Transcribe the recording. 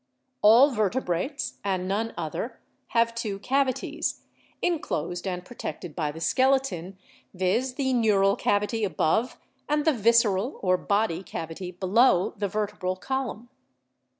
"All vertebrates, and none other, have two cavities, in closed and protected by the skeleton, viz., the neural cavity above, and the visceral or body cavity below, the vertebral column.